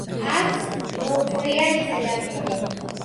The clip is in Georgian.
აქვს ლორწოიანი ზედაპირი.